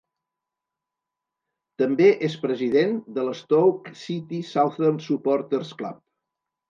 També és president del Stoke City Southern Supporters Club.